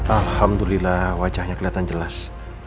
alhamdulillah wajahnya kelihatan jelas